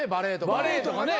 バレエとかな。